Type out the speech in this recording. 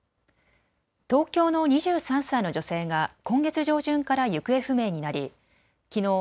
東京の２３歳の女性が今月上旬から行方不明になりきのう